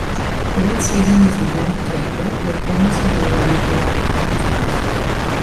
The wet season is November to April with almost no rainfall at other times.